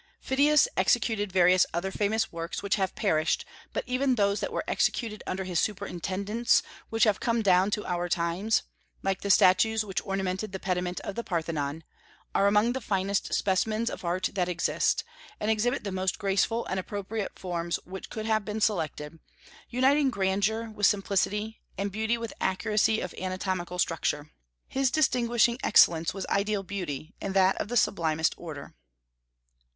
Phidias executed various other famous works, which have perished; but even those that were executed under his superintendence which have come down to our times, like the statues which ornamented the pediment of the Parthenon, are among the finest specimens of art that exist, and exhibit the most graceful and appropriate forms which could have been selected, uniting grandeur with simplicity, and beauty with accuracy of anatomical structure. His distinguishing excellence was ideal beauty, and that of the sublimest order.